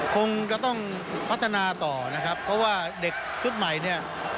คงจะต้องพัฒนาต่อนะครับเพราะว่าเด็กชุดใหม่เนี่ย